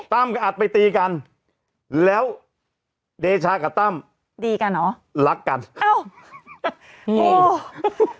กับอัดไปตีกันแล้วเดชากับตั้มดีกันเหรอรักกันอ้าวอืม